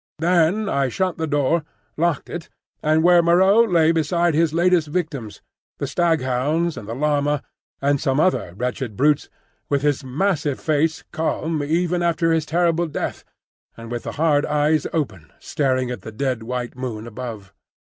Then I shut the door, locked it, and went into the enclosure where Moreau lay beside his latest victims,—the staghounds and the llama and some other wretched brutes,—with his massive face calm even after his terrible death, and with the hard eyes open, staring at the dead white moon above.